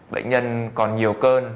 bệnh nhân còn nhiều cơn